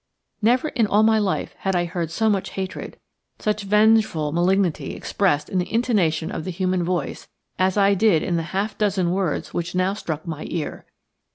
Never in all my life had I heard so much hatred, such vengeful malignity expressed in the intonation of the human voice as I did in the half dozen words which now struck my ear.